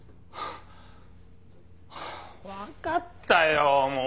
分かったよもう！